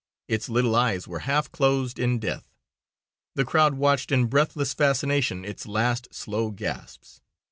Its little eyes were half closed in death. The crowd watched, in breathless fascination, its last slow gasps.